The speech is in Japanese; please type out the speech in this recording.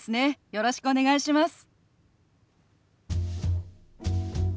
よろしくお願いします。